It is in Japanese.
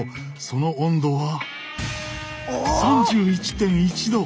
その温度は３１．１℃。